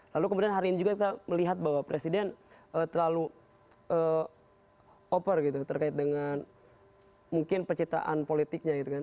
lalu kemudian hari ini juga kita melihat bahwa presiden terlalu over terkait dengan mungkin penceritaan politiknya